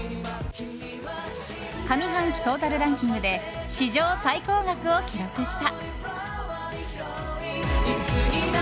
上半期トータルランキングで史上最高額を記録した。